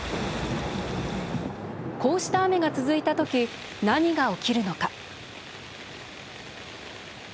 こうした雨が続いたとき何が起きるのか。